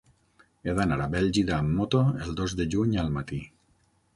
He d'anar a Bèlgida amb moto el dos de juny al matí.